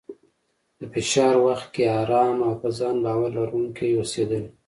د فشار وخت کې ارام او په ځان باور لرونکی اوسېدل،